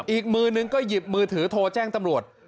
อีกมือนึงก็หยิบมือถือโทรแจ้งตำรวจ